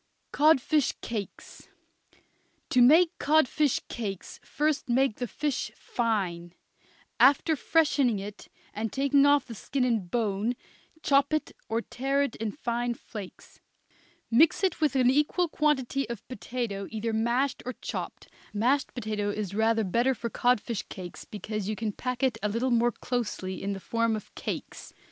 CODFISH CAKES. To make codfish cakes, first make the fish fine; after freshening it and taking off the skin and bone, chop it or tear it in fine flakes; mix it with an equal quantity of potato either mashed or chopped mashed potato is rather better for codfish cakes because you can pack it a little more closely in the form of cakes.